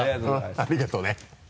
ありがとうね